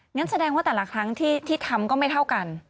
งั้นแสดงว่าแต่ละครั้งที่ทำก็ไม่เท่ากัน